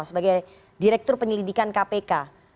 sebagai direktur penyelidikan kpk